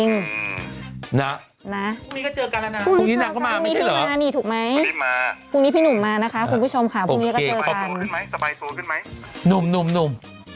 สบายขึ้นไหมสบายสูงขึ้นไหมนุ่ม